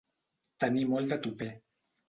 Tenir molt de tupè.